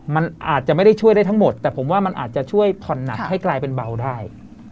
มันอาจจะไม่ได้ช่วยได้ทั้งหมดแต่ผมว่ามันอาจจะช่วยผ่อนหนักให้กลายเป็นเบาได้